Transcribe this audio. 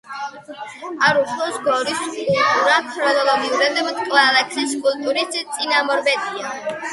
არუხლოს გორის კულტურა ქრონოლოგიურად მტკვარ-არაქსის კულტურის წინამორბედია.